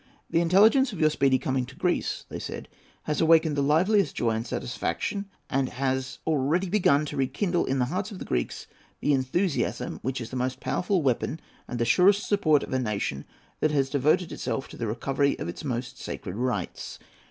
"The intelligence of your speedy coming to Greece," they said, "has awakened the liveliest joy and satisfaction, and has already begun to rekindle in the hearts of the Greeks that enthusiasm which is the most powerful weapon and the surest support of a nation that has devoted itself to the recovery of its most sacred rights.